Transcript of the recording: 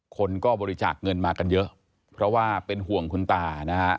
คนก็บริจาคเงินมากันเยอะเพราะว่าเป็นห่วงคุณตานะฮะ